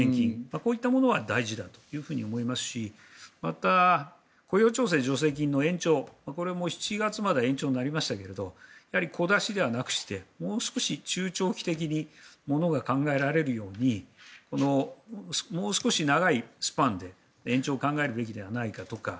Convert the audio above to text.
こういったものは大事だと思いますしまた、雇用調整助成金の延長これも７月まで延長になりましたがやはり小出しではなくしてもう少し中長期的に物が考えられるようにもう少し長いスパンで延長を考えるべきじゃないかとか